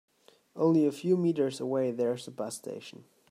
Only a few meters away there is a bus station.